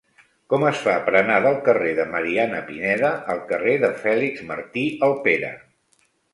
Com es fa per anar del carrer de Mariana Pineda al carrer de Fèlix Martí Alpera?